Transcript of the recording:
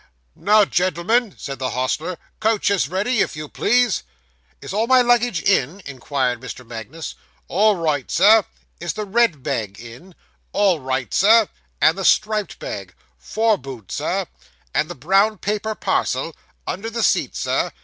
'Now, gen'l'm'n,' said the hostler, 'coach is ready, if you please.' 'Is all my luggage in?' inquired Mr. Magnus. 'All right, sir.' 'Is the red bag in?' 'All right, Sir.' 'And the striped bag?' 'Fore boot, Sir.' 'And the brown paper parcel?' 'Under the seat, Sir.